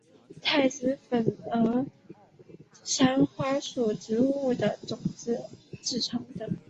茶籽粉由山茶属植物的种子制成。